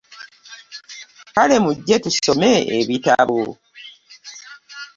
Kale, mujje tusome ebitabo.